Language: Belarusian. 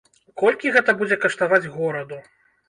Колькі гэта будзе каштаваць гораду?